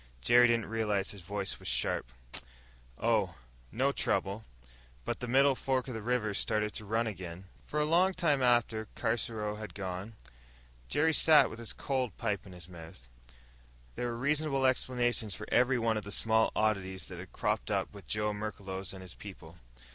Jerry didn't realize his voice was sharp. "Oh, no trouble. But the middle fork of the river's started to run again!" For a long time after Caruso had gone, Jerry sat with his cold pipe in his mouth. There were reasonable explanations for every one of the small oddities that had cropped up with Joe Merklos and his people.